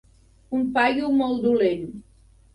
Un paio molt dolent.